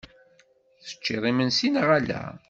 Teččiḍ imensi neɣ ala?